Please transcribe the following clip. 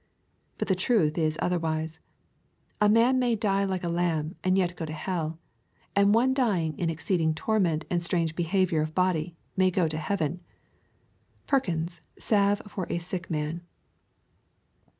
* But the truth is otherwise. — A man may die like a lamb, and yet go to hell ; and one dying in exceeding torment and strange behav ior of body, may go to heaven." — Perhms' Salve for a Sick Man.